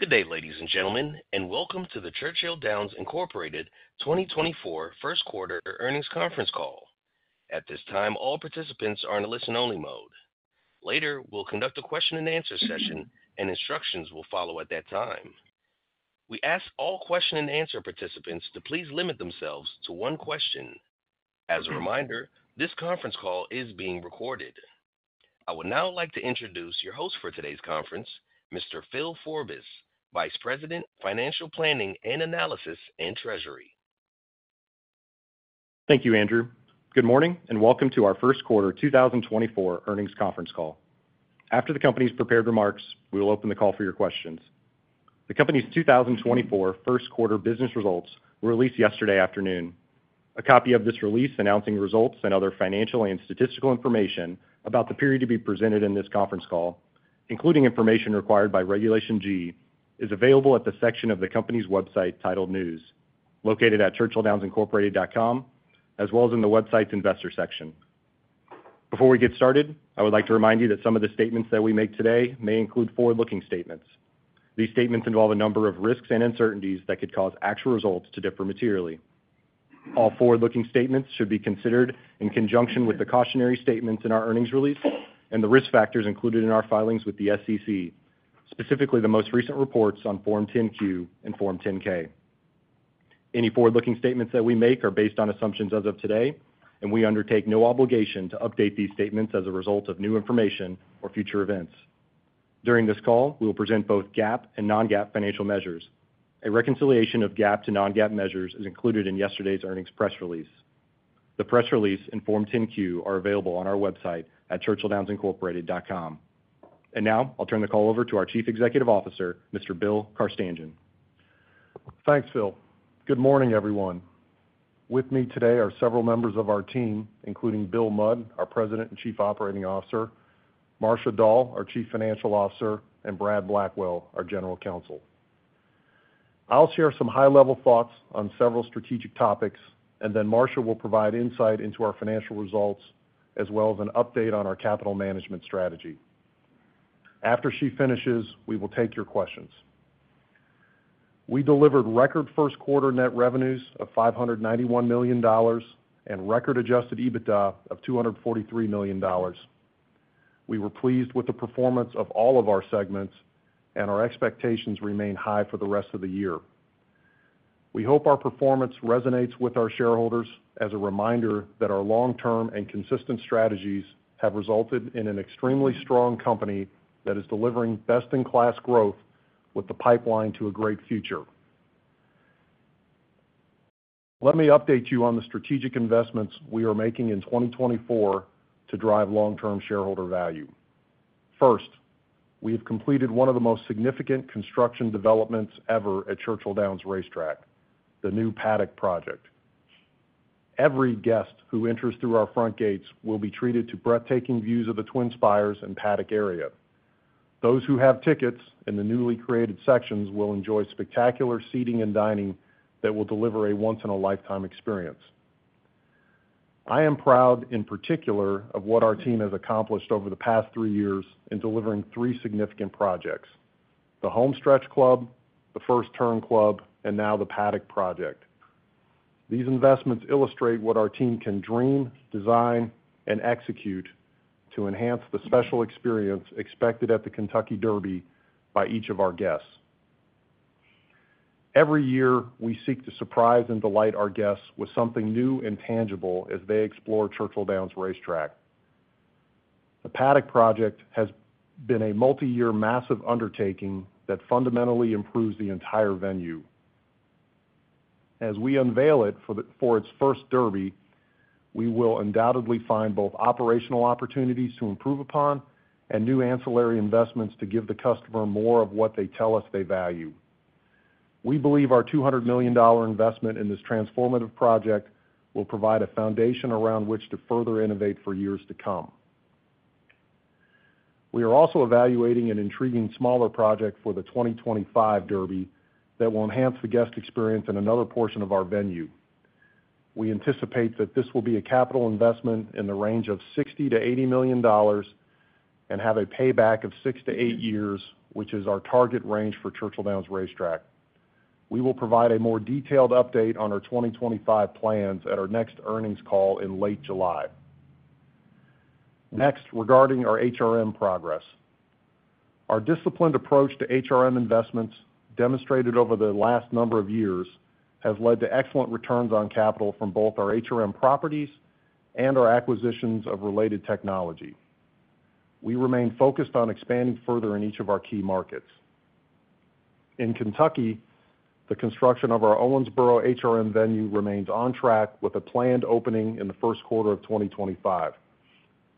Good day, ladies and gentlemen, and welcome to the Churchill Downs Incorporated 2024 First Quarter Earnings Conference Call. At this time, all participants are in a listen-only mode. Later, we'll conduct a question-and-answer session, and instructions will follow at that time. We ask all question-and-answer participants to please limit themselves to one question. As a reminder, this conference call is being recorded. I would now like to introduce your host for today's conference, Mr. Phil Forbis, Vice President, Financial Planning and Analysis and Treasury. Thank you, Andrew. Good morning and welcome to our first quarter 2024 earnings conference call. After the company's prepared remarks, we will open the call for your questions. The company's 2024 first quarter business results were released yesterday afternoon. A copy of this release announcing results and other financial and statistical information about the period to be presented in this conference call, including information required by Regulation G, is available at the section of the company's website titled News, located at churchilldownsincorporated.com, as well as in the website's Investor section. Before we get started, I would like to remind you that some of the statements that we make today may include forward-looking statements. These statements involve a number of risks and uncertainties that could cause actual results to differ materially. All forward-looking statements should be considered in conjunction with the cautionary statements in our earnings release and the risk factors included in our filings with the SEC, specifically the most recent reports on Form 10-Q and Form 10-K. Any forward-looking statements that we make are based on assumptions as of today, and we undertake no obligation to update these statements as a result of new information or future events. During this call, we will present both GAAP and non-GAAP financial measures. A reconciliation of GAAP to non-GAAP measures is included in yesterday's earnings press release. The press release and Form 10-Q are available on our website at churchilldownsincorporated.com. Now I'll turn the call over to our Chief Executive Officer, Mr. Bill Carstanjen. Thanks, Phil. Good morning, everyone. With me today are several members of our team, including Bill Mudd, our President and Chief Operating Officer, Marcia Dall, our Chief Financial Officer, and Brad Blackwell, our General Counsel. I'll share some high-level thoughts on several strategic topics, and then Marcia will provide insight into our financial results as well as an update on our capital management strategy. After she finishes, we will take your questions. We delivered record first quarter net revenues of $591 million and record adjusted EBITDA of $243 million. We were pleased with the performance of all of our segments, and our expectations remain high for the rest of the year. We hope our performance resonates with our shareholders as a reminder that our long-term and consistent strategies have resulted in an extremely strong company that is delivering best-in-class growth with the pipeline to a great future. Let me update you on the strategic investments we are making in 2024 to drive long-term shareholder value. First, we have completed one of the most significant construction developments ever at Churchill Downs Racetrack, the new Paddock Project. Every guest who enters through our front gates will be treated to breathtaking views of the Twin Spires and Paddock area. Those who have tickets in the newly created sections will enjoy spectacular seating and dining that will deliver a once-in-a-lifetime experience. I am proud, in particular, of what our team has accomplished over the past three years in delivering three significant projects: the Home Stretch Club, the First Turn Club, and now the Paddock Project. These investments illustrate what our team can dream, design, and execute to enhance the special experience expected at the Kentucky Derby by each of our guests. Every year, we seek to surprise and delight our guests with something new and tangible as they explore Churchill Downs Racetrack. The Paddock Project has been a multi-year, massive undertaking that fundamentally improves the entire venue. As we unveil it for its first Derby, we will undoubtedly find both operational opportunities to improve upon and new ancillary investments to give the customer more of what they tell us they value. We believe our $200 million investment in this transformative project will provide a foundation around which to further innovate for years to come. We are also evaluating an intriguing smaller project for the 2025 Derby that will enhance the guest experience in another portion of our venue. We anticipate that this will be a capital investment in the range of $60-$80 million and have a payback of 6-8 years, which is our target range for Churchill Downs Racetrack. We will provide a more detailed update on our 2025 plans at our next earnings call in late July. Next, regarding our HRM progress, our disciplined approach to HRM investments demonstrated over the last number of years has led to excellent returns on capital from both our HRM properties and our acquisitions of related technology. We remain focused on expanding further in each of our key markets. In Kentucky, the construction of our Owensboro HRM venue remains on track with a planned opening in the first quarter of 2025.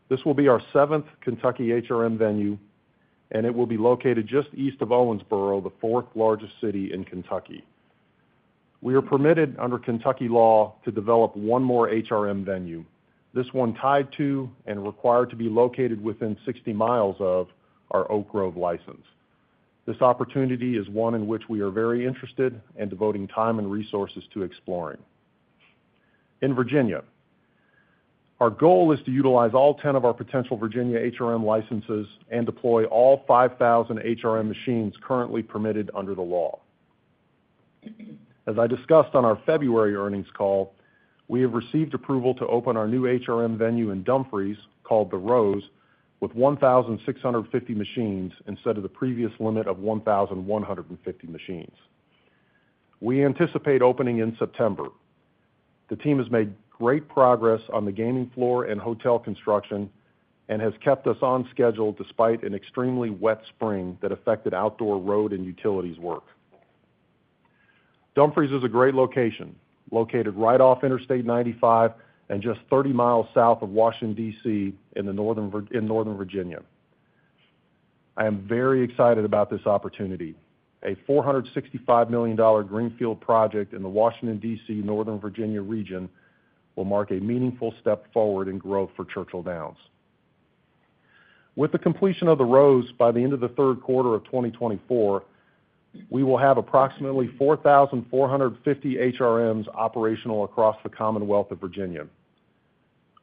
This will be our seventh Kentucky HRM venue, and it will be located just east of Owensboro, the fourth largest city in Kentucky. We are permitted, under Kentucky law, to develop one more HRM venue, this one tied to and required to be located within 60 miles of our Oak Grove license. This opportunity is one in which we are very interested and devoting time and resources to exploring. In Virginia, our goal is to utilize all 10 of our potential Virginia HRM licenses and deploy all 5,000 HRM machines currently permitted under the law. As I discussed on our February earnings call, we have received approval to open our new HRM venue in Dumfries called The Rose with 1,650 machines instead of the previous limit of 1,150 machines. We anticipate opening in September. The team has made great progress on the gaming floor and hotel construction and has kept us on schedule despite an extremely wet spring that affected outdoor road and utilities work. Dumfries is a great location, located right off Interstate 95 and just 30 miles south of Washington, D.C., in Northern Virginia. I am very excited about this opportunity. A $465 million greenfield project in the Washington, D.C., Northern Virginia region will mark a meaningful step forward in growth for Churchill Downs. With the completion of The Rose by the end of the third quarter of 2024, we will have approximately 4,450 HRMs operational across the Commonwealth of Virginia.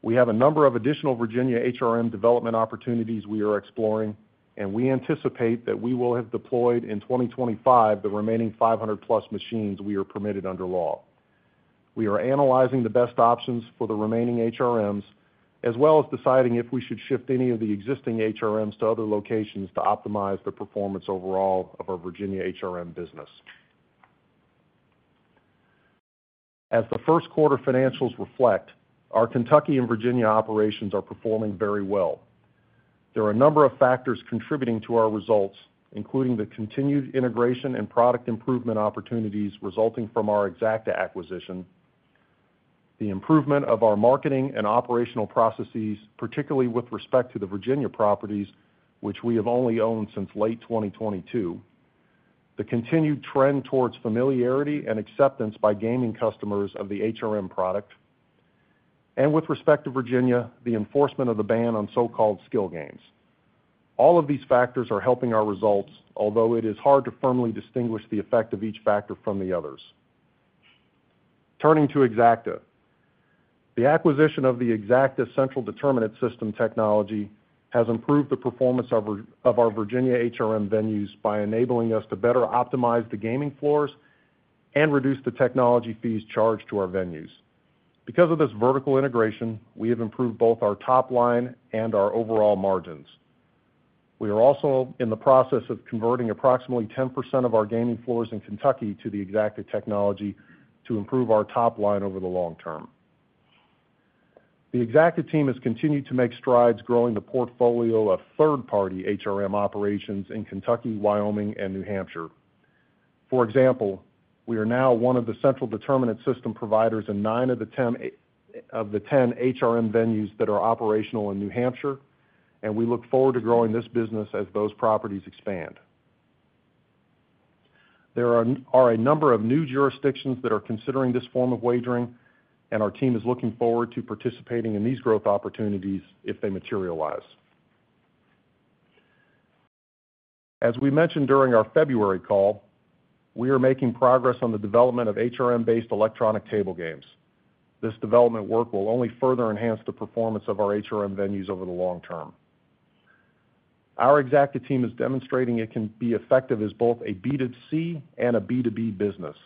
We have a number of additional Virginia HRM development opportunities we are exploring, and we anticipate that we will have deployed in 2025 the remaining 500+ machines we are permitted under law. We are analyzing the best options for the remaining HRMs as well as deciding if we should shift any of the existing HRMs to other locations to optimize the performance overall of our Virginia HRM business. As the first quarter financials reflect, our Kentucky and Virginia operations are performing very well. There are a number of factors contributing to our results, including the continued integration and product improvement opportunities resulting from our Exacta acquisition, the improvement of our marketing and operational processes, particularly with respect to the Virginia properties, which we have only owned since late 2022, the continued trend towards familiarity and acceptance by gaming customers of the HRM product, and with respect to Virginia, the enforcement of the ban on so-called skill games. All of these factors are helping our results, although it is hard to firmly distinguish the effect of each factor from the others. Turning to Exacta, the acquisition of the Exacta Central Determinant System technology has improved the performance of our Virginia HRM venues by enabling us to better optimize the gaming floors and reduce the technology fees charged to our venues. Because of this vertical integration, we have improved both our top line and our overall margins. We are also in the process of converting approximately 10% of our gaming floors in Kentucky to the Exacta technology to improve our top line over the long term. The Exacta team has continued to make strides growing the portfolio of third-party HRM operations in Kentucky, Wyoming, and New Hampshire. For example, we are now one of the Central Determinant System providers in nine of the 10 HRM venues that are operational in New Hampshire, and we look forward to growing this business as those properties expand. There are a number of new jurisdictions that are considering this form of wagering, and our team is looking forward to participating in these growth opportunities if they materialize. As we mentioned during our February call, we are making progress on the development of HRM-based electronic table games. This development work will only further enhance the performance of our HRM venues over the long term. Our Exacta team is demonstrating it can be effective as both a B2C and a B2B business.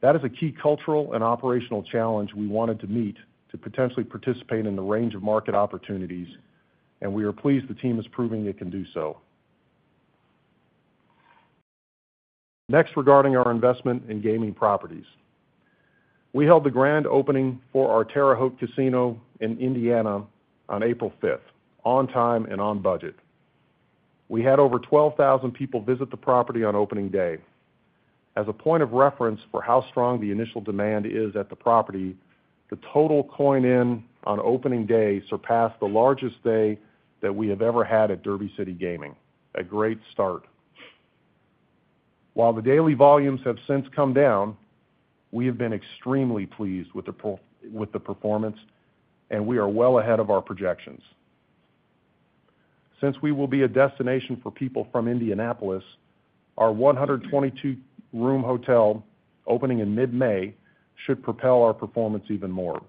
That is a key cultural and operational challenge we wanted to meet to potentially participate in the range of market opportunities, and we are pleased the team is proving it can do so. Next, regarding our investment in gaming properties, we held the grand opening for our Terre Haute Casino in Indiana on April 5th, on time and on budget. We had over 12,000 people visit the property on opening day. As a point of reference for how strong the initial demand is at the property, the total coin-in on opening day surpassed the largest day that we have ever had at Derby City Gaming. A great start. While the daily volumes have since come down, we have been extremely pleased with the performance, and we are well ahead of our projections. Since we will be a destination for people from Indianapolis, our 122-room hotel opening in mid-May should propel our performance even more.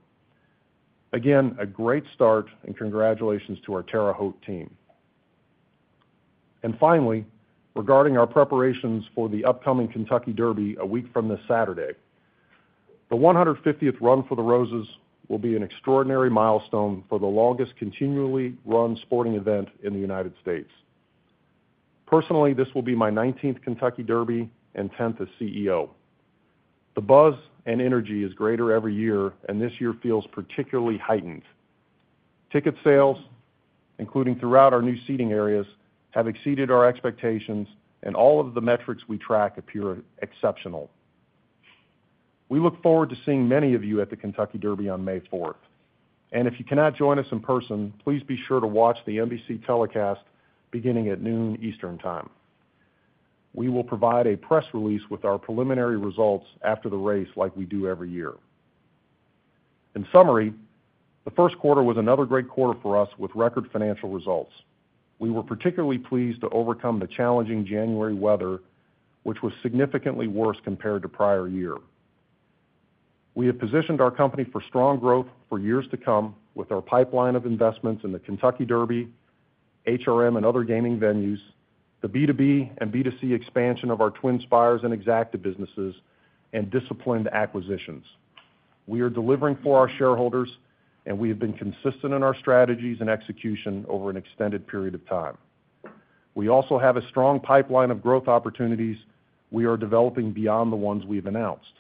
Again, a great start, and congratulations to our Terre Haute team. And finally, regarding our preparations for the upcoming Kentucky Derby a week from this Saturday, the 150th Run for the Roses will be an extraordinary milestone for the longest continually run sporting event in the United States. Personally, this will be my 19th Kentucky Derby and 10th as CEO. The buzz and energy is greater every year, and this year feels particularly heightened. Ticket sales, including throughout our new seating areas, have exceeded our expectations, and all of the metrics we track appear exceptional. We look forward to seeing many of you at the Kentucky Derby on May 4th, and if you cannot join us in person, please be sure to watch the NBC telecast beginning at 12:00 P.M. Eastern Time. We will provide a press release with our preliminary results after the race like we do every year. In summary, the first quarter was another great quarter for us with record financial results. We were particularly pleased to overcome the challenging January weather, which was significantly worse compared to prior year. We have positioned our company for strong growth for years to come with our pipeline of investments in the Kentucky Derby, HRM, and other gaming venues, the B2B and B2C expansion of our TwinSpires and Exacta businesses, and disciplined acquisitions. We are delivering for our shareholders, and we have been consistent in our strategies and execution over an extended period of time. We also have a strong pipeline of growth opportunities we are developing beyond the ones we have announced.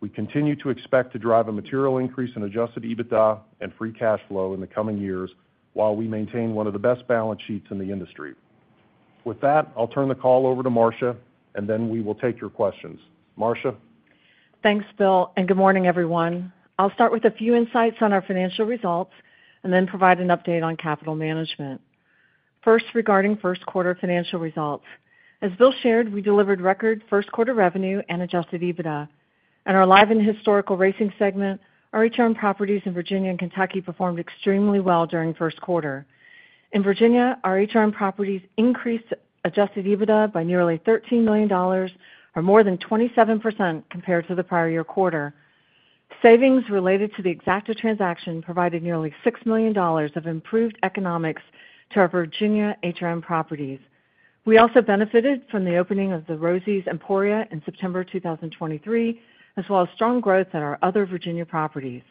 We continue to expect to drive a material increase in Adjusted EBITDA and Free Cash Flow in the coming years while we maintain one of the best balance sheets in the industry. With that, I'll turn the call over to Marcia, and then we will take your questions. Marcia? Thanks, Bill, and good morning, everyone. I'll start with a few insights on our financial results and then provide an update on capital management. First, regarding first quarter financial results, as Bill shared, we delivered record first quarter revenue and adjusted EBITDA. In our live and historical racing segment, our return properties in Virginia and Kentucky performed extremely well during first quarter. In Virginia, our HRM properties increased adjusted EBITDA by nearly $13 million, or more than 27% compared to the prior year quarter. Savings related to the Exacta transaction provided nearly $6 million of improved economics to our Virginia HRM properties. We also benefited from the opening of Rosie's Emporium in September 2023, as well as strong growth at our other Virginia properties.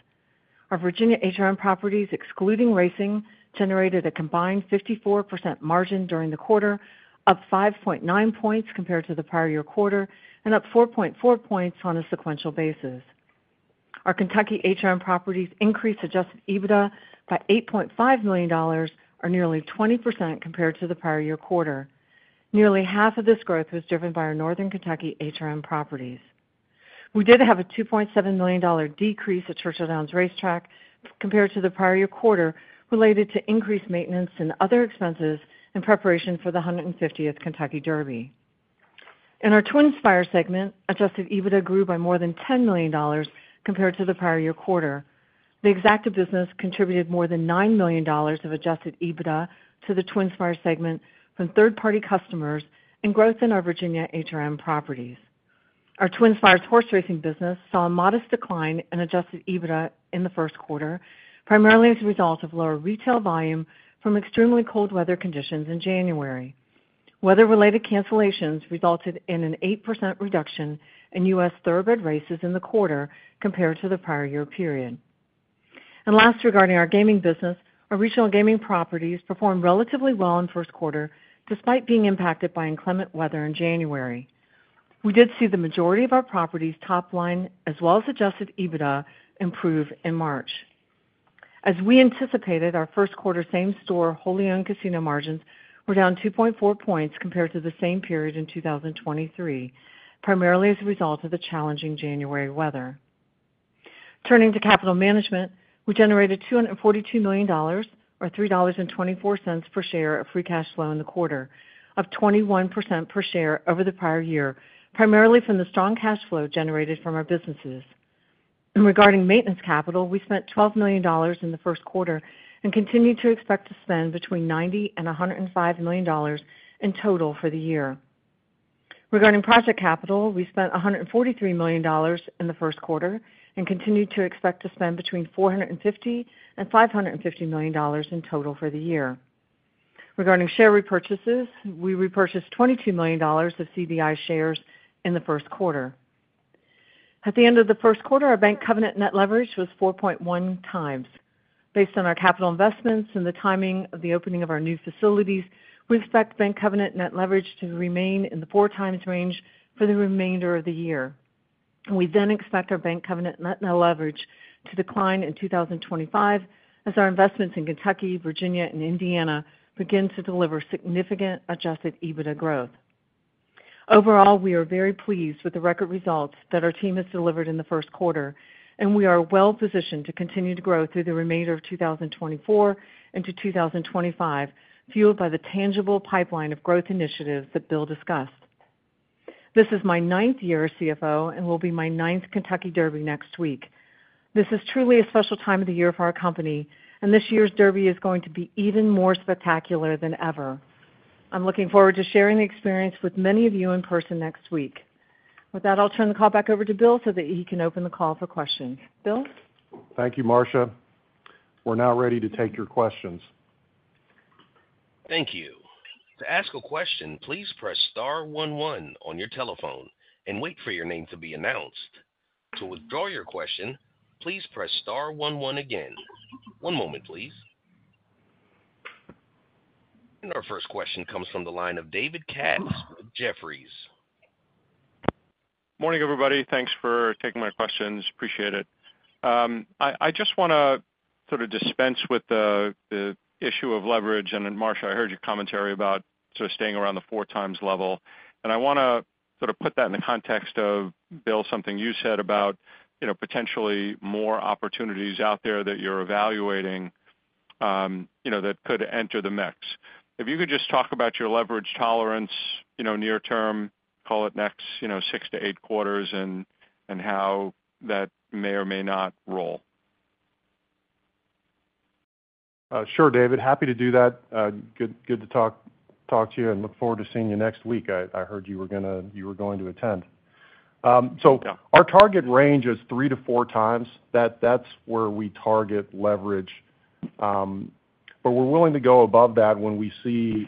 Our Virginia HRM properties, excluding racing, generated a combined 54% margin during the quarter, up 5.9 points compared to the prior year quarter, and up 4.4 points on a sequential basis. Our Kentucky HRM properties increased Adjusted EBITDA by $8.5 million, or nearly 20% compared to the prior year quarter. Nearly half of this growth was driven by our Northern Kentucky HRM properties. We did have a $2.7 million decrease at Churchill Downs Racetrack compared to the prior year quarter related to increased maintenance and other expenses in preparation for the 150th Kentucky Derby. In our TwinSpires segment, Adjusted EBITDA grew by more than $10 million compared to the prior year quarter. The Exacta business contributed more than $9 million of Adjusted EBITDA to the TwinSpires segment from third-party customers and growth in our Virginia HRM properties. Our TwinSpires horse racing business saw a modest decline in Adjusted EBITDA in the first quarter, primarily as a result of lower retail volume from extremely cold weather conditions in January. Weather-related cancellations resulted in an 8% reduction in U.S. Thoroughbred races in the quarter compared to the prior year period. Last, regarding our gaming business, our regional gaming properties performed relatively well in first quarter despite being impacted by inclement weather in January. We did see the majority of our properties' top line, as well as Adjusted EBITDA, improve in March. As we anticipated, our first quarter same-store wholly-owned casino margins were down 2.4 points compared to the same period in 2023, primarily as a result of the challenging January weather. Turning to capital management, we generated $242 million, or $3.24 per share of free cash flow in the quarter, up 21% per share over the prior year, primarily from the strong cash flow generated from our businesses. Regarding maintenance capital, we spent $12 million in the first quarter and continue to expect to spend between $90-$105 million in total for the year. Regarding project capital, we spent $143 million in the first quarter and continue to expect to spend between $450 million and $550 million in total for the year. Regarding share repurchases, we repurchased $22 million of CBI shares in the first quarter. At the end of the first quarter, our bank covenant net leverage was 4.1x. Based on our capital investments and the timing of the opening of our new facilities, we expect bank covenant net leverage to remain in the 4x range for the remainder of the year. We then expect our bank covenant net leverage to decline in 2025 as our investments in Kentucky, Virginia, and Indiana begin to deliver significant Adjusted EBITDA growth. Overall, we are very pleased with the record results that our team has delivered in the first quarter, and we are well positioned to continue to grow through the remainder of 2024 into 2025, fueled by the tangible pipeline of growth initiatives that Bill discussed. This is my ninth year as CFO, and will be my ninth Kentucky Derby next week. This is truly a special time of the year for our company, and this year's Derby is going to be even more spectacular than ever. I'm looking forward to sharing the experience with many of you in person next week. With that, I'll turn the call back over to Bill so that he can open the call for questions. Bill? Thank you, Marcia. We're now ready to take your questions. Thank you. To ask a question, please press star 11 on your telephone and wait for your name to be announced. To withdraw your question, please press star 11 again. One moment, please. Our first question comes from the line of David Katz with Jefferies. Morning, everybody. Thanks for taking my questions. Appreciate it. I just want to sort of dispense with the issue of leverage. Marcia, I heard your commentary about sort of staying around the 4x level, and I want to sort of put that in the context of, Bill, something you said about potentially more opportunities out there that you're evaluating that could enter the mix. If you could just talk about your leverage tolerance near term, call it next 6-8 quarters, and how that may or may not roll. Sure, David. Happy to do that. Good to talk to you and look forward to seeing you next week. I heard you were going to attend. So our target range is 3-4 times. That's where we target leverage, but we're willing to go above that when we see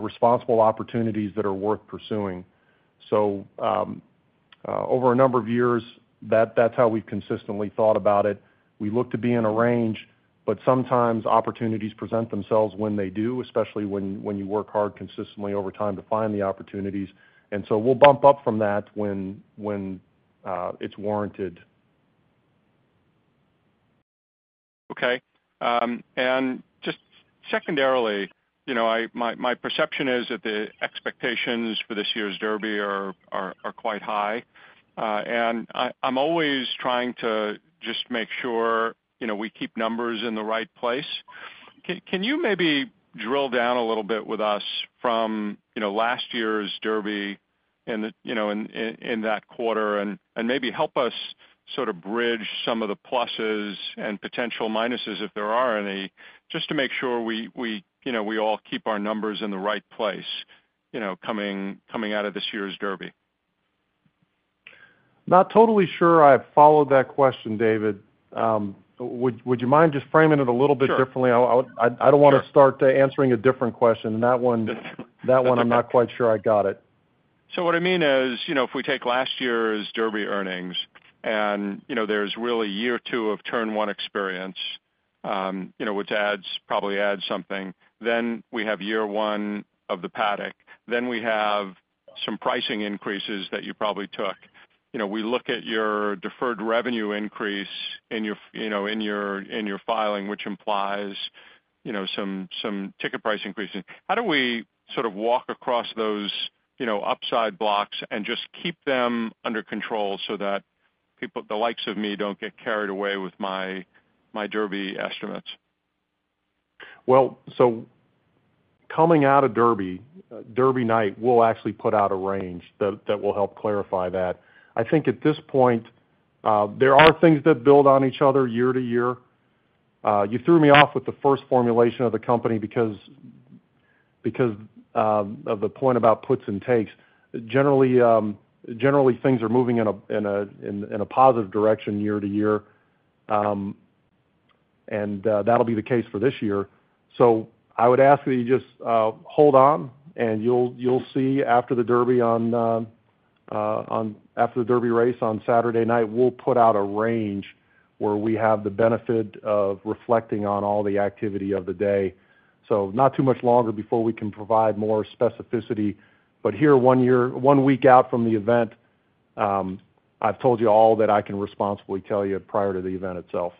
responsible opportunities that are worth pursuing. So over a number of years, that's how we've consistently thought about it. We look to be in a range, but sometimes opportunities present themselves when they do, especially when you work hard consistently over time to find the opportunities. And so we'll bump up from that when it's warranted. Okay. And just secondarily, my perception is that the expectations for this year's Derby are quite high, and I'm always trying to just make sure we keep numbers in the right place. Can you maybe drill down a little bit with us from last year's Derby in that quarter and maybe help us sort of bridge some of the pluses and potential minuses, if there are any, just to make sure we all keep our numbers in the right place coming out of this year's Derby? Not totally sure I've followed that question, David. Would you mind just framing it a little bit differently? I don't want to start answering a different question, and that one I'm not quite sure I got it. So what I mean is, if we take last year's Derby earnings and there's really year two of turn one experience, which probably adds something, then we have year one of the paddock, then we have some pricing increases that you probably took. We look at your deferred revenue increase in your filing, which implies some ticket price increases. How do we sort of walk across those upside blocks and just keep them under control so that the likes of me don't get carried away with my Derby estimates? Well, so coming out of Derby night, we'll actually put out a range that will help clarify that. I think at this point, there are things that build on each other year to year. You threw me off with the first formulation of the company because of the point about puts and takes. Generally, things are moving in a positive direction year to year, and that'll be the case for this year. So I would ask that you just hold on, and you'll see after the Derby race on Saturday night, we'll put out a range where we have the benefit of reflecting on all the activity of the day. So not too much longer before we can provide more specificity. But here, one week out from the event, I've told you all that I can responsibly tell you prior to the event itself.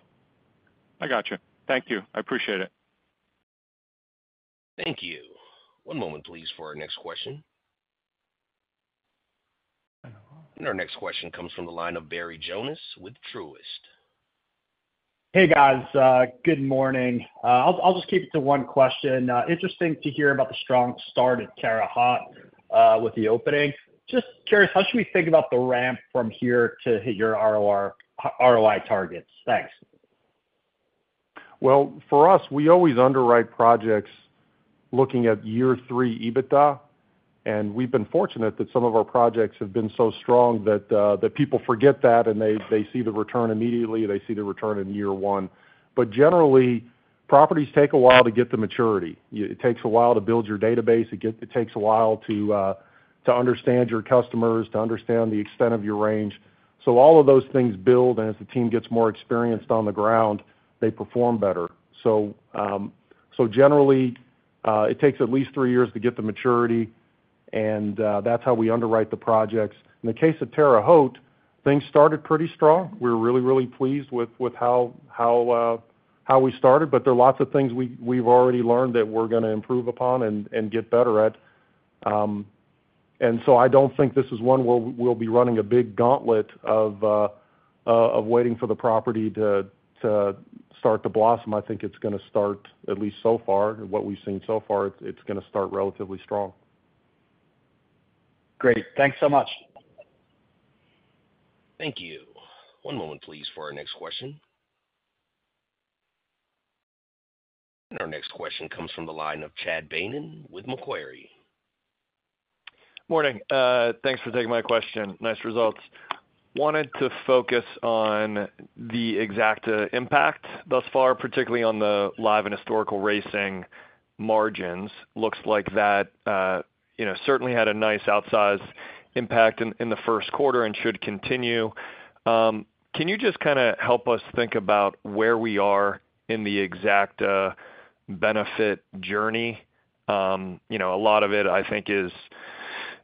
I gotcha. Thank you. I appreciate it. Thank you. One moment, please, for our next question. And our next question comes from the line of Barry Jonas with Truist. Hey, guys. Good morning. I'll just keep it to one question. Interesting to hear about the strong start at Terre Haute with the opening. Just curious, how should we think about the ramp from here to hit your ROI targets? Thanks. Well, for us, we always underwrite projects looking at year three EBITDA, and we've been fortunate that some of our projects have been so strong that people forget that and they see the return immediately. They see the return in year one. But generally, properties take a while to get to maturity. It takes a while to build your database. It takes a while to understand your customers, to understand the extent of your range. So all of those things build, and as the team gets more experienced on the ground, they perform better. So generally, it takes at least three years to get to maturity, and that's how we underwrite the projects. In the case of Terre Haute, things started pretty strong. We were really, really pleased with how we started, but there are lots of things we've already learned that we're going to improve upon and get better at. And so I don't think this is one where we'll be running a big gauntlet of waiting for the property to start to blossom. I think it's going to start at least so far, what we've seen so far, it's going to start relatively strong. Great. Thanks so much. Thank you. One moment, please, for our next question. And our next question comes from the line of Chad Beynon with Macquarie. Morning. Thanks for taking my question. Nice results. Wanted to focus on the Exacta impact thus far, particularly on the live and historical racing margins. Looks like that certainly had a nice outsized impact in the first quarter and should continue. Can you just kind of help us think about where we are in the Exacta benefit journey? A lot of it, I think, is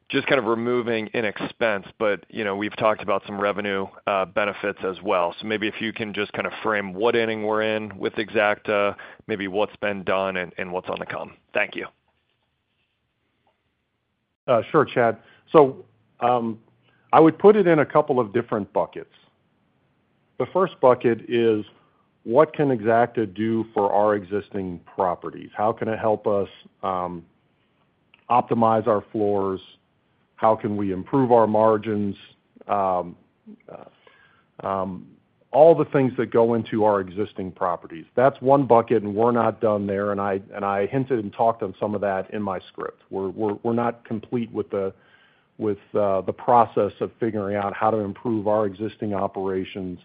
just kind of removing an expense, but we've talked about some revenue benefits as well. So maybe if you can just kind of frame what inning we're in with Exacta, maybe what's been done and what's on the come. Thank you. Sure, Chad. So I would put it in a couple of different buckets. The first bucket is, what can Exacta do for our existing properties? How can it help us optimize our floors? How can we improve our margins? All the things that go into our existing properties. That's one bucket, and we're not done there. And I hinted and talked on some of that in my script. We're not complete with the process of figuring out how to improve our existing operations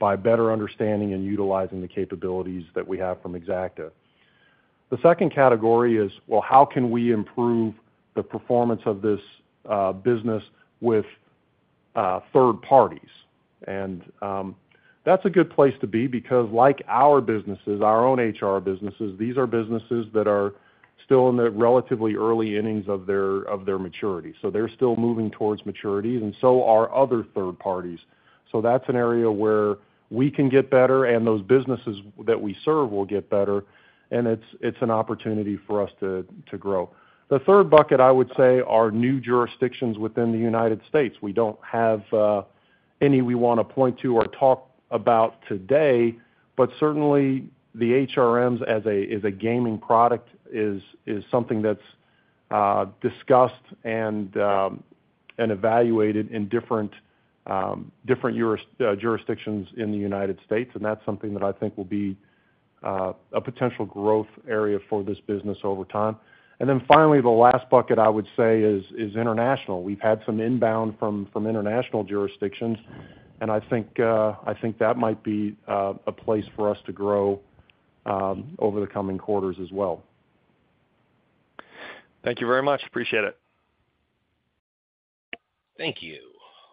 by better understanding and utilizing the capabilities that we have from Exacta. The second category is, well, how can we improve the performance of this business with third parties? That's a good place to be because, like our businesses, our own HR businesses, these are businesses that are still in the relatively early innings of their maturity. So they're still moving towards maturities, and so are other third parties. So that's an area where we can get better, and those businesses that we serve will get better, and it's an opportunity for us to grow. The third bucket, I would say, are new jurisdictions within the United States. We don't have any we want to point to or talk about today, but certainly, the HRMs as a gaming product is something that's discussed and evaluated in different jurisdictions in the United States, and that's something that I think will be a potential growth area for this business over time. And then finally, the last bucket, I would say, is international. We've had some inbound from international jurisdictions, and I think that might be a place for us to grow over the coming quarters as well. Thank you very much. Appreciate it. Thank you.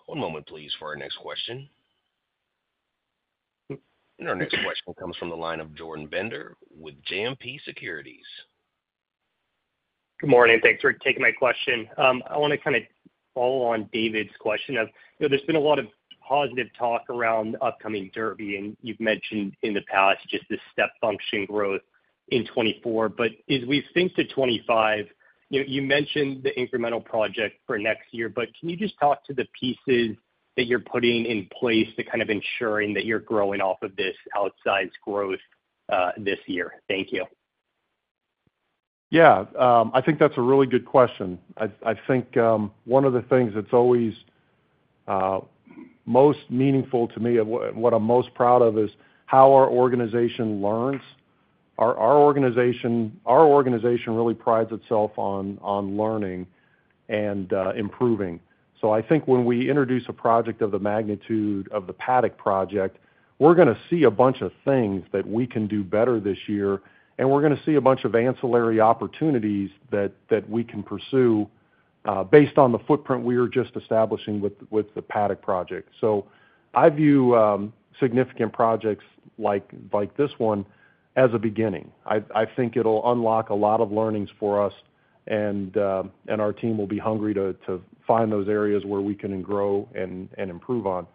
One moment, please, for our next question. Our next question comes from the line of Jordan Bender with JMP Securities. Good morning. Thanks for taking my question. I want to kind of follow on David's question of there's been a lot of positive talk around upcoming Derby, and you've mentioned in the past just the step function growth in 2024. But as we think to 2025, you mentioned the incremental project for next year, but can you just talk to the pieces that you're putting in place to kind of ensuring that you're growing off of this outsized growth this year? Thank you. Yeah. I think that's a really good question. I think one of the things that's always most meaningful to me, what I'm most proud of, is how our organization learns. Our organization really prides itself on learning and improving. So I think when we introduce a project of the magnitude of the Paddock Project, we're going to see a bunch of things that we can do better this year, and we're going to see a bunch of ancillary opportunities that we can pursue based on the footprint we are just establishing with the Paddock Project. So I view significant projects like this one as a beginning. I think it'll unlock a lot of learnings for us, and our team will be hungry to find those areas where we can grow and improve on.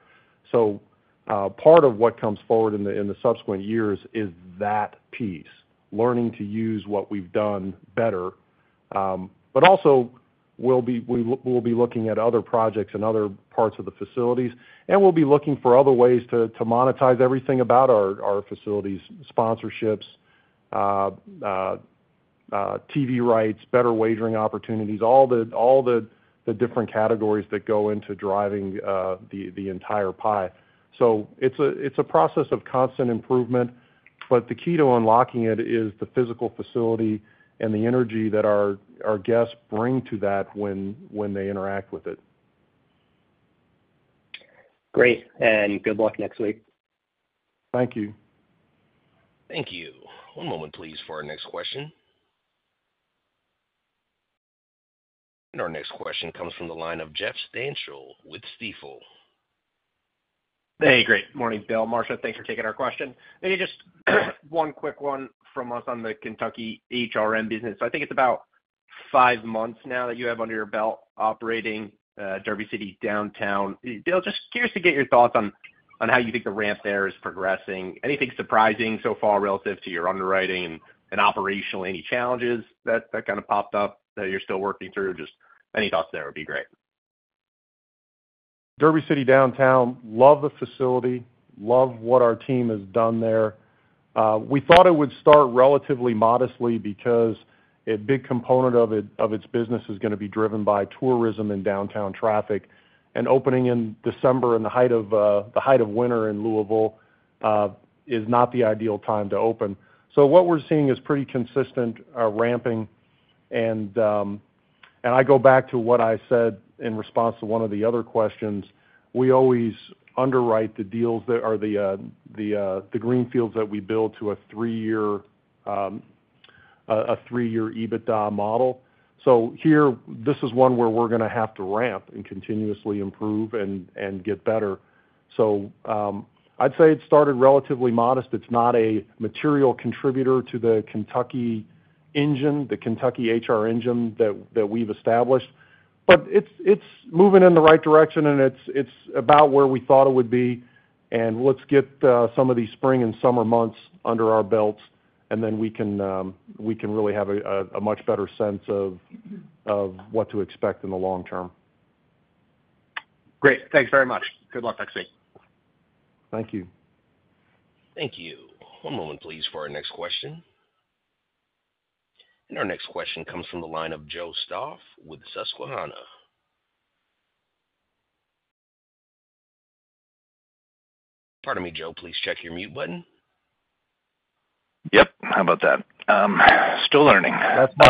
So part of what comes forward in the subsequent years is that piece, learning to use what we've done better. But also, we'll be looking at other projects and other parts of the facilities, and we'll be looking for other ways to monetize everything about our facilities: sponsorships, TV rights, better wagering opportunities, all the different categories that go into driving the entire pie. So it's a process of constant improvement, but the key to unlocking it is the physical facility and the energy that our guests bring to that when they interact with it. Great. And good luck next week. Thank you. Thank you. One moment, please, for our next question. And our next question comes from the line of Jeffrey Stantial with Stifel. Hey, great. Morning, Bill. Marcia, thanks for taking our question. Maybe just one quick one from us on the Kentucky HRM business. So I think it's about five months now that you have under your belt operating Derby City downtown. Bill, just curious to get your thoughts on how you think the ramp there is progressing. Anything surprising so far relative to your underwriting and operationally? Any challenges that kind of popped up that you're still working through? Just any thoughts there would be great. Derby City downtown, love the facility, love what our team has done there. We thought it would start relatively modestly because a big component of its business is going to be driven by tourism and downtown traffic, and opening in December in the height of winter in Louisville is not the ideal time to open. So what we're seeing is pretty consistent ramping. And I go back to what I said in response to one of the other questions. We always underwrite the deals that are the greenfields that we build to a three-year EBITDA model. So here, this is one where we're going to have to ramp and continuously improve and get better. So I'd say it started relatively modest. It's not a material contributor to the Kentucky engine, the Kentucky HR engine that we've established, but it's moving in the right direction, and it's about where we thought it would be. And let's get some of these spring and summer months under our belts, and then we can really have a much better sense of what to expect in the long term. Great. Thanks very much. Good luck next week. Thank you. Thank you. One moment, please, for our next question. And our next question comes from the line of Joe Stauff with Susquehanna. Pardon me, Joe. Please check your mute button. Yep. How about that? Still learning. That's much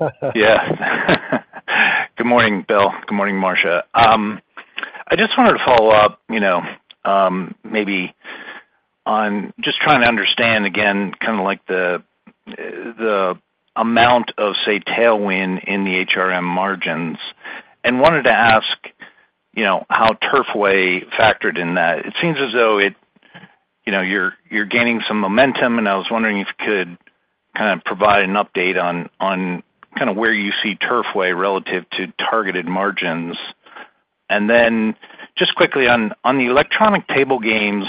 better. Yeah. Good morning, Bill. Good morning, Marcia. I just wanted to follow up maybe on just trying to understand, again, kind of the amount of, say, tailwind in the HRM margins, and wanted to ask how Turfway factored in that. It seems as though you're gaining some momentum, and I was wondering if you could kind of provide an update on kind of where you see Turfway relative to targeted margins. And then just quickly, on the electronic table games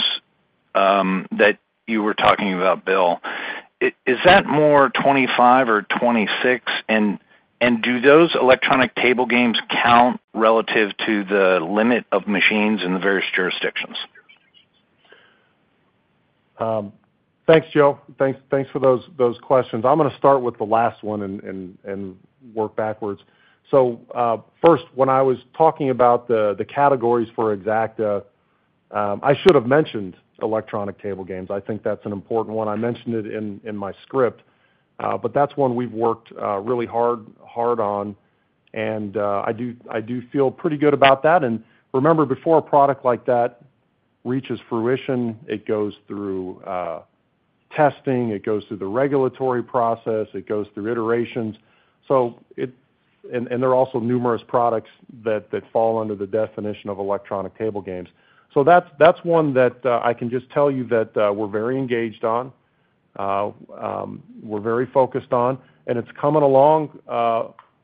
that you were talking about, Bill, is that more 2025 or 2026? And do those electronic table games count relative to the limit of machines in the various jurisdictions? Thanks, Joe. Thanks for those questions. I'm going to start with the last one and work backwards. So first, when I was talking about the categories for Exacta, I should have mentioned electronic table games. I think that's an important one. I mentioned it in my script, but that's one we've worked really hard on, and I do feel pretty good about that. And remember, before a product like that reaches fruition, it goes through testing. It goes through the regulatory process. It goes through iterations. And there are also numerous products that fall under the definition of electronic table games. So that's one that I can just tell you that we're very engaged on, we're very focused on, and it's coming along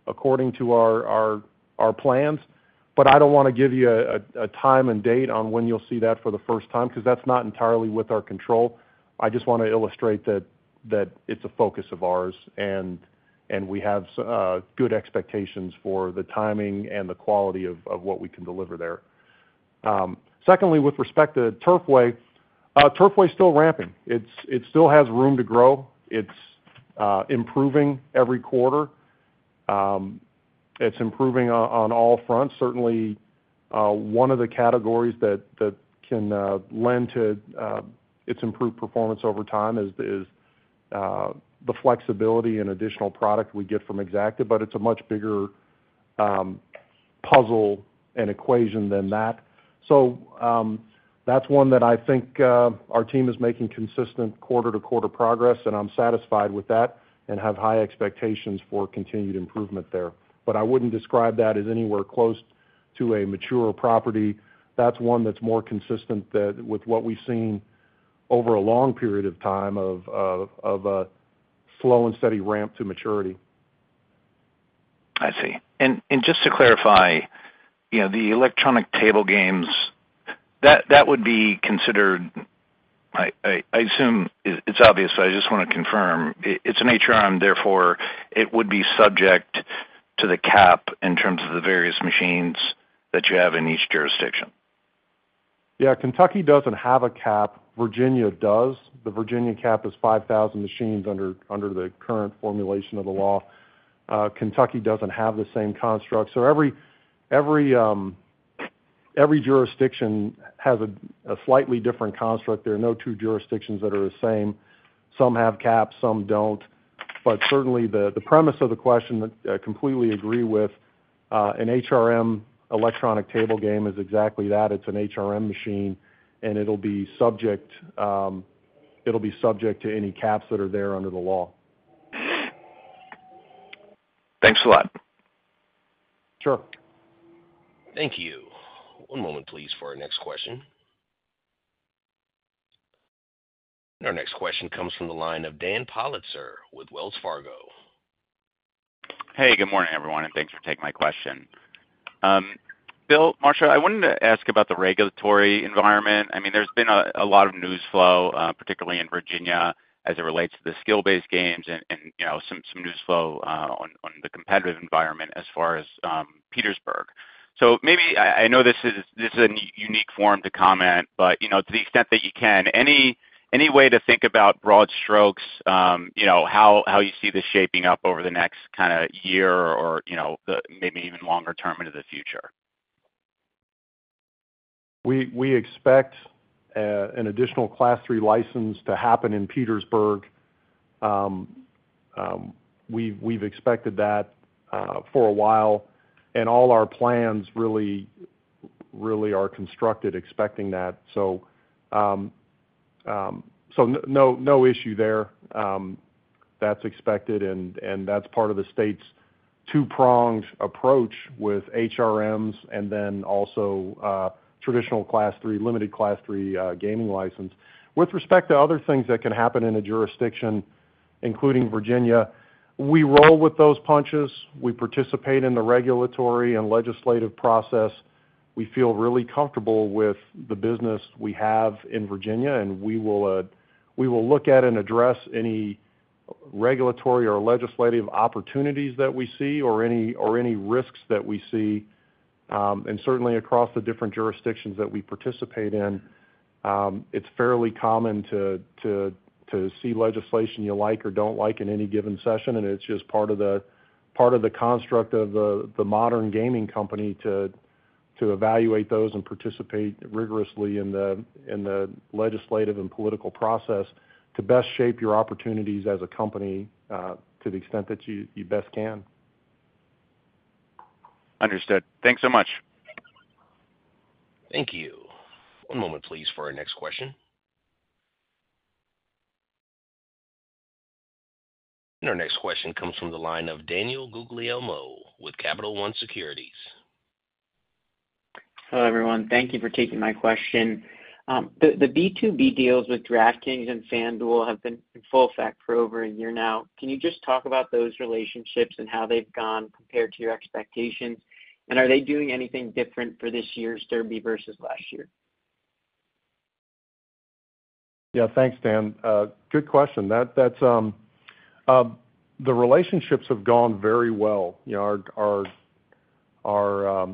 according to our plans. But I don't want to give you a time and date on when you'll see that for the first time because that's not entirely with our control. I just want to illustrate that it's a focus of ours, and we have good expectations for the timing and the quality of what we can deliver there. Secondly, with respect to Turfway, Turfway is still ramping. It still has room to grow. It's improving every quarter. It's improving on all fronts. Certainly, one of the categories that can lend to its improved performance over time is the flexibility and additional product we get from Exacta, but it's a much bigger puzzle and equation than that. So that's one that I think our team is making consistent quarter-to-quarter progress, and I'm satisfied with that and have high expectations for continued improvement there. But I wouldn't describe that as anywhere close to a mature property. That's one that's more consistent with what we've seen over a long period of time of a slow and steady ramp to maturity. I see. And just to clarify, the electronic table games, that would be considered I assume it's obvious, but I just want to confirm. It's an HRM, therefore, it would be subject to the cap in terms of the various machines that you have in each jurisdiction. Yeah. Kentucky doesn't have a cap. Virginia does. The Virginia cap is 5,000 machines under the current formulation of the law. Kentucky doesn't have the same construct. So every jurisdiction has a slightly different construct. There are no two jurisdictions that are the same. Some have caps. Some don't. But certainly, the premise of the question that I completely agree with, an HRM electronic table game is exactly that. It's an HRM machine, and it'll be subject to any caps that are there under the law. Thanks a lot. Sure. Thank you. One moment, please, for our next question. Our next question comes from the line of Dan Politzer with Wells Fargo. Hey. Good morning, everyone, and thanks for taking my question. Bill, Marcia, I wanted to ask about the regulatory environment. I mean, there's been a lot of news flow, particularly in Virginia, as it relates to the skill-based games and some news flow on the competitive environment as far as Petersburg. So maybe I know this is a unique forum to comment, but to the extent that you can, any way to think about broad strokes, how you see this shaping up over the next kind of year or maybe even longer term into the future? We expect an additional Class III license to happen in Petersburg. We've expected that for a while, and all our plans really are constructed expecting that. So no issue there. That's expected, and that's part of the state's two-pronged approach with HRMs and then also traditional Class III, limited Class III gaming license. With respect to other things that can happen in a jurisdiction, including Virginia, we roll with those punches. We participate in the regulatory and legislative process. We feel really comfortable with the business we have in Virginia, and we will look at and address any regulatory or legislative opportunities that we see or any risks that we see. And certainly, across the different jurisdictions that we participate in, it's fairly common to see legislation you like or don't like in any given session, and it's just part of the construct of the modern gaming company to evaluate those and participate rigorously in the legislative and political process to best shape your opportunities as a company to the extent that you best can. Understood. Thanks so much. Thank you. One moment, please, for our next question. Our next question comes from the line of Daniel Guglielmo with Capital One Securities. Hello, everyone. Thank you for taking my question. The B2B deals with DraftKings and FanDuel have been in full effect for over a year now. Can you just talk about those relationships and how they've gone compared to your expectations? And are they doing anything different for this year's Derby versus last year? Yeah. Thanks, Dan. Good question. The relationships have gone very well. Our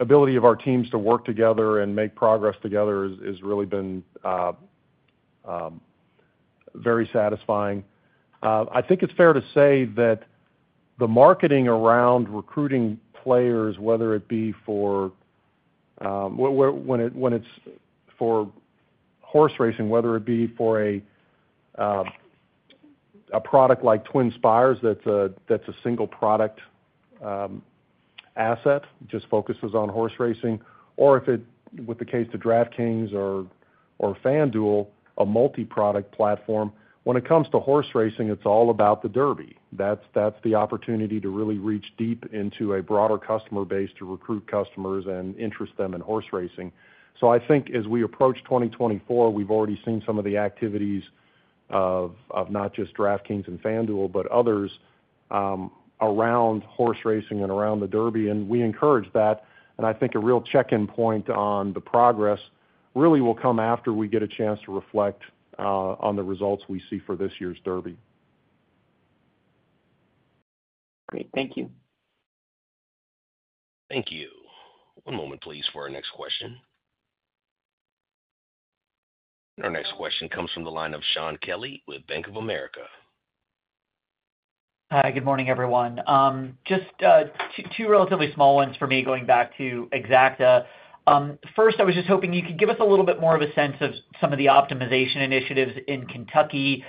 ability of our teams to work together and make progress together has really been very satisfying. I think it's fair to say that the marketing around recruiting players, whether it be for when it's for horse racing, whether it be for a product like TwinSpires that's a single product asset, just focuses on horse racing, or if it's the case to DraftKings or FanDuel, a multi-product platform, when it comes to horse racing, it's all about the Derby. That's the opportunity to really reach deep into a broader customer base to recruit customers and interest them in horse racing. So I think as we approach 2024, we've already seen some of the activities of not just DraftKings and FanDuel, but others around horse racing and around the Derby, and we encourage that. And I think a real check-in point on the progress really will come after we get a chance to reflect on the results we see for this year's Derby. Great. Thank you. Thank you. One moment, please, for our next question. And our next question comes from the line of Shaun Kelley with Bank of America. Hi. Good morning, everyone. Just two relatively small ones for me going back to Exacta. First, I was just hoping you could give us a little bit more of a sense of some of the optimization initiatives in Kentucky.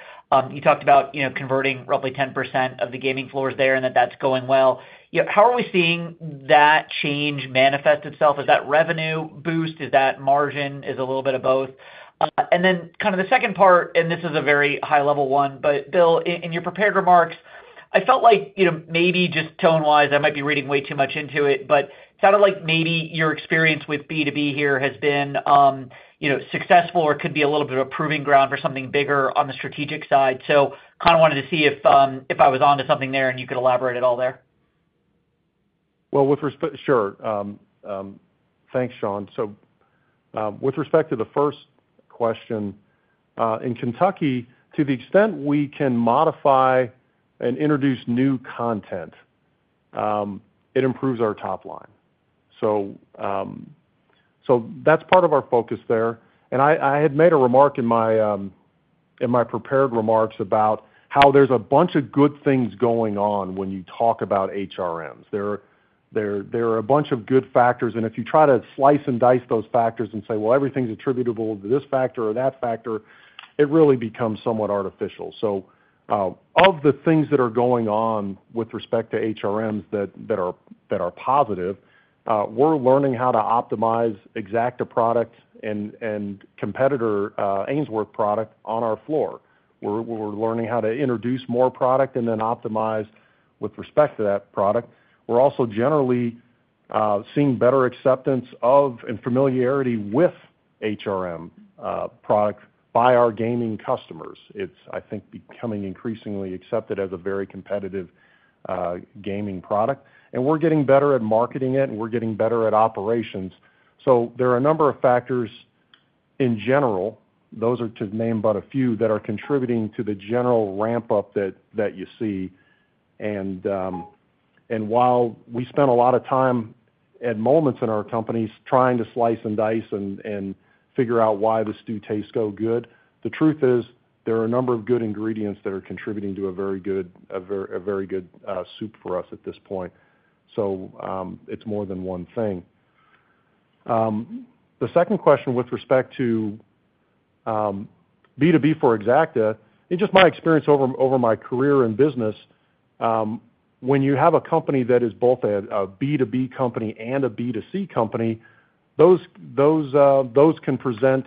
You talked about converting roughly 10% of the gaming floors there and that that's going well. How are we seeing that change manifest itself? Is that revenue boost? Is that margin? Is a little bit of both? And then kind of the second part, and this is a very high-level one, but Bill, in your prepared remarks, I felt like maybe just tone-wise, I might be reading way too much into it, but it sounded like maybe your experience with B2B here has been successful or could be a little bit of a proving ground for something bigger on the strategic side. So kind of wanted to see if I was onto something there and you could elaborate it all there. Well, sure. Thanks, Shaun. So with respect to the first question, in Kentucky, to the extent we can modify and introduce new content, it improves our top line. So that's part of our focus there. And I had made a remark in my prepared remarks about how there's a bunch of good things going on when you talk about HRMs. There are a bunch of good factors, and if you try to slice and dice those factors and say, "Well, everything's attributable to this factor or that factor," it really becomes somewhat artificial. So of the things that are going on with respect to HRMs that are positive, we're learning how to optimize Exacta product and competitor Ainsworth product on our floor. We're learning how to introduce more product and then optimize with respect to that product. We're also generally seeing better acceptance and familiarity with HRM products by our gaming customers. It's, I think, becoming increasingly accepted as a very competitive gaming product. And we're getting better at marketing it, and we're getting better at operations. So there are a number of factors in general. Those are to name but a few that are contributing to the general ramp-up that you see. And while we spend a lot of time and moments in our companies trying to slice and dice and figure out why the stew tastes so good, the truth is there are a number of good ingredients that are contributing to a very good soup for us at this point. So it's more than one thing. The second question with respect to B2B for Exacta, in just my experience over my career in business, when you have a company that is both a B2B company and a B2C company, those can present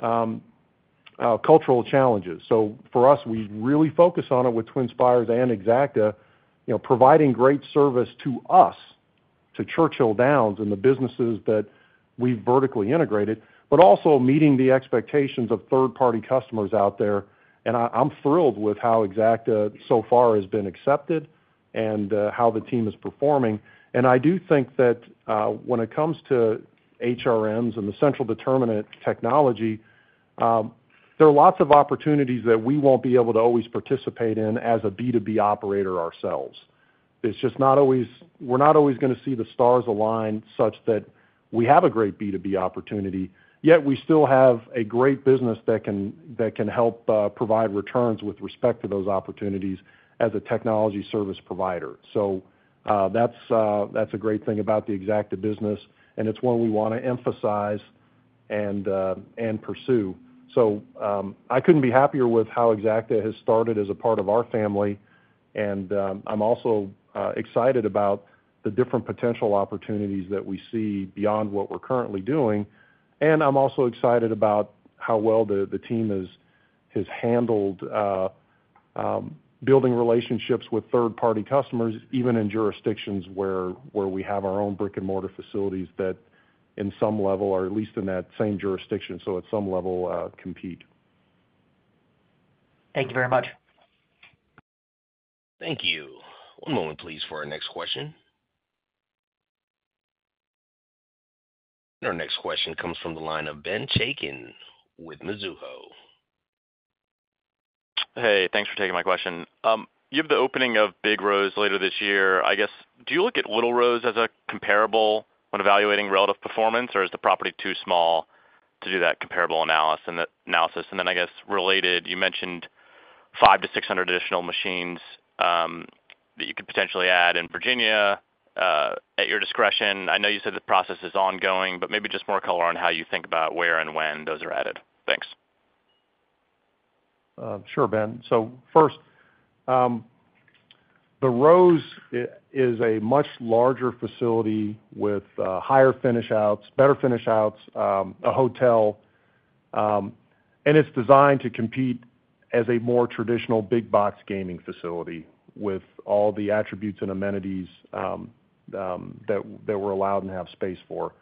cultural challenges. So for us, we really focus on it with TwinSpires and Exacta, providing great service to us, to Churchill Downs and the businesses that we've vertically integrated, but also meeting the expectations of third-party customers out there. And I'm thrilled with how Exacta so far has been accepted and how the team is performing. And I do think that when it comes to HRMs and the central determinant technology, there are lots of opportunities that we won't be able to always participate in as a B2B operator ourselves. We're not always going to see the stars align such that we have a great B2B opportunity, yet we still have a great business that can help provide returns with respect to those opportunities as a technology service provider. So that's a great thing about the Exacta business, and it's one we want to emphasize and pursue. So I couldn't be happier with how Exacta has started as a part of our family. And I'm also excited about the different potential opportunities that we see beyond what we're currently doing. And I'm also excited about how well the team has handled building relationships with third-party customers, even in jurisdictions where we have our own brick-and-mortar facilities that, in some level, or at least in that same jurisdiction, so at some level, compete. Thank you very much. Thank you. One moment, please, for our next question. And our next question comes from the line of Ben Chaiken with Mizuho. Hey. Thanks for taking my question. You have the opening of the Rose later this year. I guess, do you look at Rosie's as a comparable when evaluating relative performance, or is the property too small to do that comparable analysis? And then, I guess, related, you mentioned 5-600 additional machines that you could potentially add in Virginia at your discretion. I know you said the process is ongoing, but maybe just more color on how you think about where and when those are added. Thanks. Sure, Ben. So first, the Rose is a much larger facility with higher finish-outs, better finish-outs, a hotel. And it's designed to compete as a more traditional big-box gaming facility with all the attributes and amenities that we're allowed and have space for.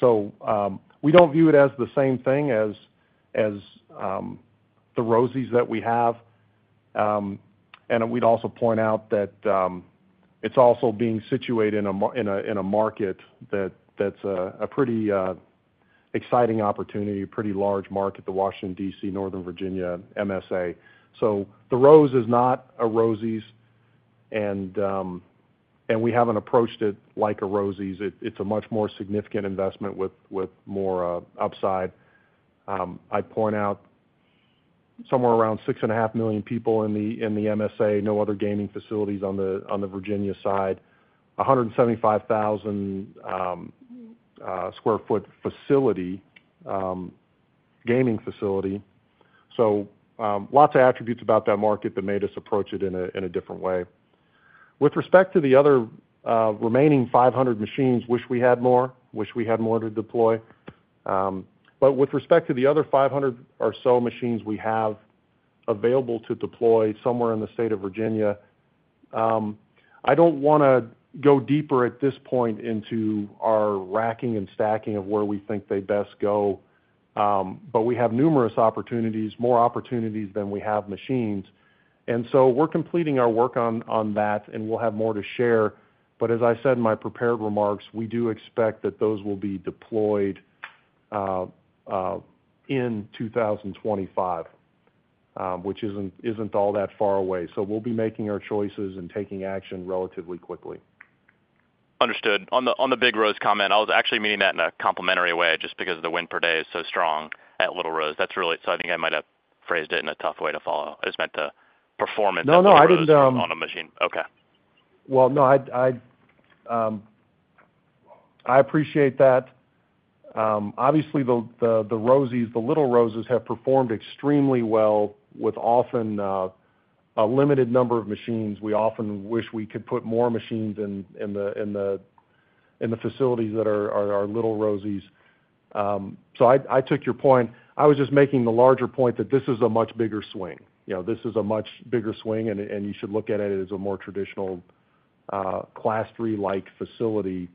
So we don't view it as the same thing as the Rosies that we have. And we'd also point out that it's also being situated in a market that's a pretty exciting opportunity, a pretty large market, the Washington, D.C., Northern Virginia MSA. So the Rose is not a Rosies. And we haven't approached it like a Rosies. It's a much more significant investment with more upside. I'd point out somewhere around 6.5 million people in the MSA, no other gaming facilities on the Virginia side, 175,000-square-foot gaming facility. So lots of attributes about that market that made us approach it in a different way. With respect to the other remaining 500 machines, wish we had more, wish we had more to deploy. But with respect to the other 500 or so machines we have available to deploy somewhere in the state of Virginia, I don't want to go deeper at this point into our racking and stacking of where we think they best go. But we have numerous opportunities, more opportunities than we have machines. And so we're completing our work on that, and we'll have more to share. But as I said in my prepared remarks, we do expect that those will be deployed in 2025, which isn't all that far away. So we'll be making our choices and taking action relatively quickly. Understood. On the Big Rose comment, I was actually meaning that in a complimentary way just because the win per day is so strong at Little Rose. So I think I might have phrased it in a tough way to follow. I just meant the performance of the Rosies on a machine. Okay. Well, no, I appreciate that. Obviously, the Little Roses have performed extremely well with often a limited number of machines. We often wish we could put more machines in the facilities that are Little Rosies. So I took your point. I was just making the larger point that this is a much bigger swing. This is a much bigger swing, and you should look at it as a more traditional Class III-like facility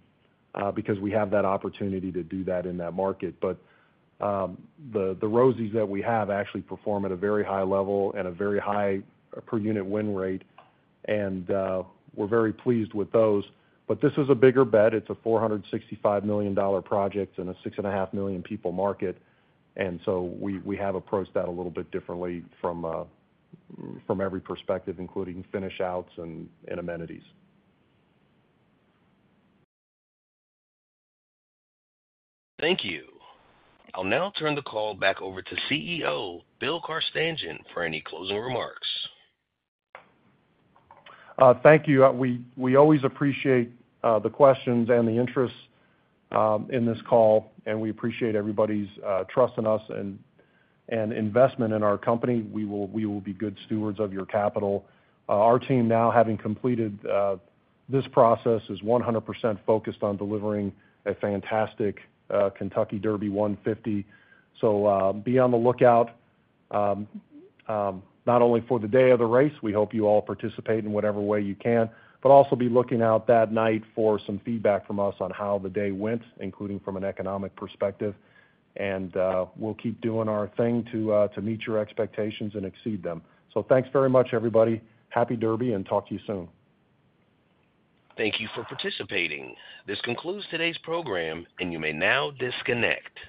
because we have that opportunity to do that in that market. But the Rosie's that we have actually perform at a very high level and a very high per-unit win rate. And we're very pleased with those. But this is a bigger bet. It's a $465 million project in a 6.5 million people market. And so we have approached that a little bit differently from every perspective, including finish-outs and amenities. Thank you. I'll now turn the call back over to CEO Bill Carstanjen for any closing remarks. Thank you. We always appreciate the questions and the interest in this call, and we appreciate everybody's trust in us and investment in our company. We will be good stewards of your capital. Our team now, having completed this process, is 100% focused on delivering a fantastic Kentucky Derby 150. Be on the lookout not only for the day of the race, we hope you all participate in whatever way you can, but also be looking out that night for some feedback from us on how the day went, including from an economic perspective. We'll keep doing our thing to meet your expectations and exceed them. Thanks very much, everybody. Happy Derby, and talk to you soon. Thank you for participating. This concludes today's program, and you may now disconnect.